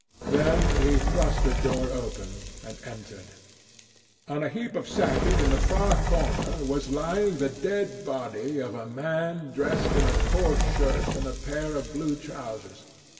Then he thrust the door open and entered. On a heap of sacking in the far corner was lying the dead body of a man dressed in a coarse shirt and a pair of blue trousers.